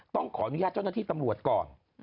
ต้องขออนุญาตเจ้าหน้าที่ตำรวจก่อน